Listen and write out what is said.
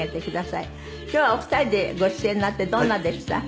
今日はお二人でご出演になってどんなでした？